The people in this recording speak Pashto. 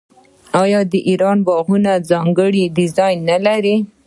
آیا د ایران باغونه ځانګړی ډیزاین نلري؟